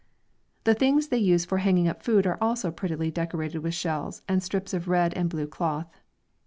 The things they use for hanging up food are also prettily decorated with shells and strips of red and blue cloth.